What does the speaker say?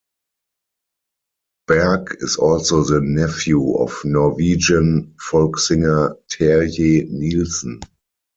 Berg is also the nephew of Norwegian folk-singer Terje Nilsen.